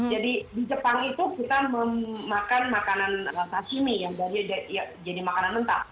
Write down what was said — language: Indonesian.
jadi di jepang itu kita memakan makanan sashimi yang jadi makanan mentah